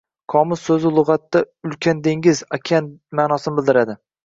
“Qomus” so‘zi lug‘atda “ulkan dengiz – okean” ma’nosini bildiradi.